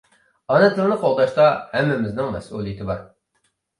ئانا تىلنى قوغداشتا ھەممىمىزنىڭ مەسئۇلىيىتى بار.